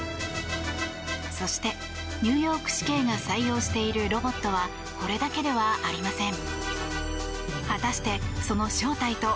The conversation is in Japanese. そして、ニューヨーク市警が採用しているロボットはこれだけではありません。